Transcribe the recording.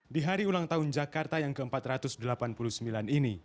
di hari ulang tahun jakarta yang ke empat ratus delapan puluh sembilan ini